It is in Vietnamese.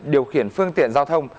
điều khiển phương tiện giao thông